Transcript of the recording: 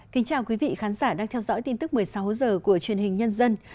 kính chào quý vị khán giả đang theo dõi tin tức một mươi sáu h của truyền hình nhân dân